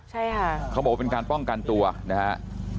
ใช่ค่ะเขาบอกว่าเป็นการป้องกันตัวนะฮะ